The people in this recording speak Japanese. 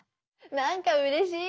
なんかうれしい。